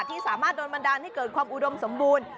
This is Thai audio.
ที่สามารถโดนบันดาลให้เกิดความอุดมสมบูรณ์